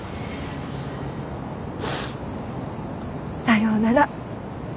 さようなら。